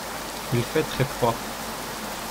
Il fait très froid.